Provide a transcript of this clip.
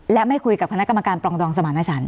และไม่คุยกับคณะกรรมการปรองดองสมารณชัน